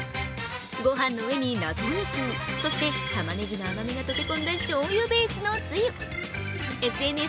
ごはんの上に、謎肉、そしてたまねぎの甘みが溶け込んだしょうゆベースのつゆ。